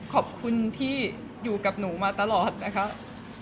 ขอบคุณที่อยู่กับหนูมาตลอดนะคะ